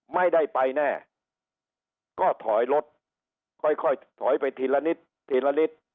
ไม่ได้ไปแน่ก็ถอยรถค่อยค่อยถอยไปทีละนิดทีละนิด